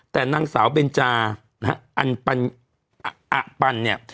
แต่นางสาวเบนจานะฮะอันอะปันเนี่ย